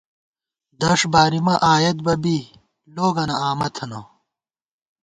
دݭ بارِیمہ آئیت بہ بی لوگَنہ آمہ تھنہ